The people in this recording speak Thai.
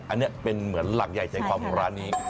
อันนี้เป็นเหมือนหลักใหญ่ใจความของร้านนี้